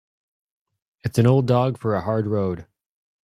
It's an old dog for a hard road.